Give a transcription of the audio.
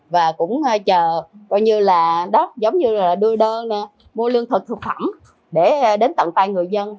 và cũng chờ coi như là đốt giống như là đưa đơn mua lương thực thực phẩm để đến tận tay người dân